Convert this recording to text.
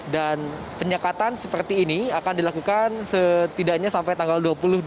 dan penyekatan seperti ini akan dilakukan setidaknya sampai tanggal dua puluh